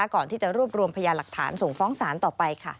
ก่อนที่จะรวบรวมพยาหลักฐานส่งฟ้องศาลต่อไปค่ะ